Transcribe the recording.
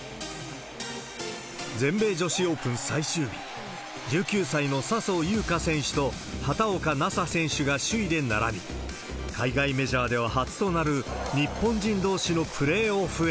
全米女子オープン最終日、１９歳の笹生優花選手と畑岡奈紗選手が首位で並び、海外メジャーでは初となる、日本人どうしのプレーオフへ。